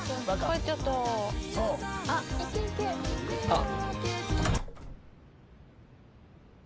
あっ。